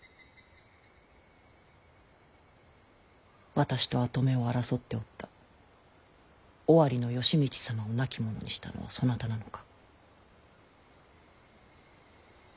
私と跡目を争っておった尾張の吉通様を亡き者にしたのはそなたなのか？